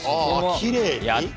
きれいに？